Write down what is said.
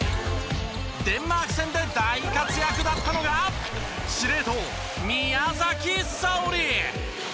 デンマーク戦で大活躍だったのが司令塔宮崎早織。